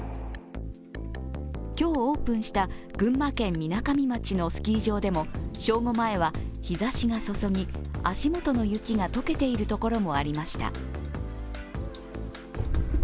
今日オープンした群馬県みなかみ町のスキー場でも、正午前は日ざしがそそぎ、足元の雪がとけているところもありました。